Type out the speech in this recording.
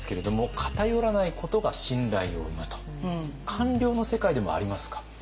官僚の世界でもありますか？